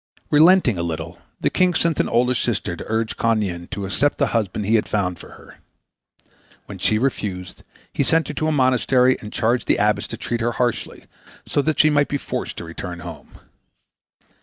Relenting a little the king sent an older sister to urge Kuan Yin to accept the husband he had found for her. When she refused, he sent her to a monastery and charged the abbess to treat her harshly, so that she might be forced to return home.